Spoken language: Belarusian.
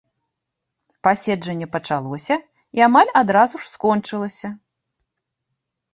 Паседжанне пачалося, і амаль адразу ж скончылася.